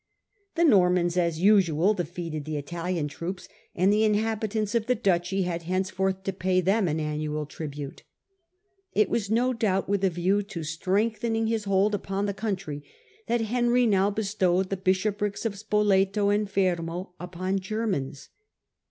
The Normans, as usual, defeated the Italian troops, and the inhabitants of the duchy had henceforth to pay them an annual tribute. ,^ was no doubt with a view to strengthening his hold upon the country that Henry now bestowed the bishoprics of Spoleto and Fermo upon Germans.